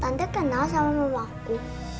tante kenal sama rumahku